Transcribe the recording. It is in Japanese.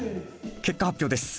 結果発表です。